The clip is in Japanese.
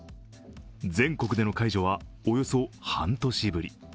全国での解除はおよそ半年ぶり。